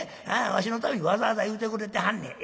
わしのためにわざわざ言うてくれてはんねん。